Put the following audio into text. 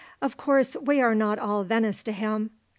Of course we are not all Venice to him.